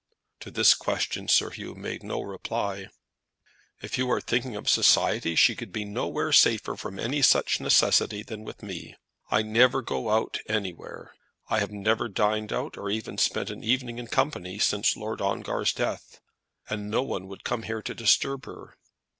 To this question Sir Hugh made no reply. "If you are thinking of society, she could be nowhere safer from any such necessity than with me. I never go out anywhere. I have never dined out, or even spent an evening in company since Lord Ongar's death. And no one would come here to disturb her."